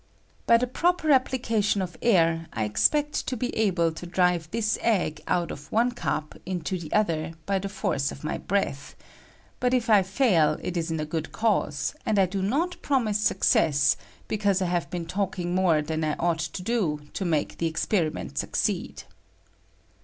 By the proper application of air, I expect to be able to drive this egg out of one cup into the other by the force of my breath ; but if I fail it is in a good cause, and I do not promise success, because I have been talking more than I ought to do to make the experiment succeed.